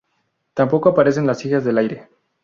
Tampoco aparecen las hijas del aire.